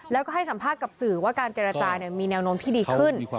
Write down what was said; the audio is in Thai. แล้วก็ให้สัมภาษณ์กับสื่อว่าการเจรจามีแนวโน้มที่ดีขึ้น